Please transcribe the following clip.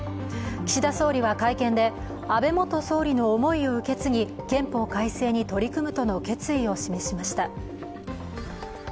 岸田総理は会見で、安倍元総理の思いを受け継ぎ憲法改正に取り組むとの決意を示しました。